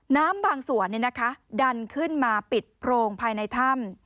น้ำบางส่วนดันขึ้นมาปิดโพรงภายในถ้ำ